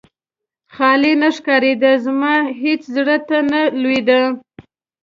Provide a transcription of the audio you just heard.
خالي نه ښکارېده، زما هېڅ زړه ته نه لوېده.